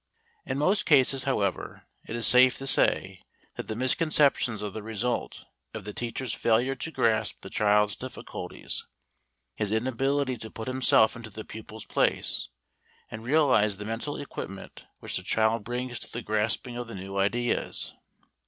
In most cases, however, it is safe to say that the misconceptions are the result of the teacher's failure to grasp the child's difficulties, his inability to put himself into the pupil's place and realize the mental equipment which the child brings to the grasping of the new ideas.